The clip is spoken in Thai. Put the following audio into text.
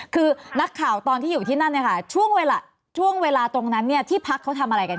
คือนักข่าวตอนที่อยู่ที่นั่นช่วงเวลาตรงนั้นที่พักเขาทำอะไรกันคะ